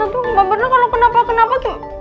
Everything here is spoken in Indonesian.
tunggu mbak mirna kalau kenapa kenapa